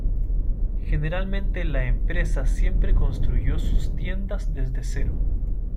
Generalmente la empresa siempre construyó sus tiendas desde cero.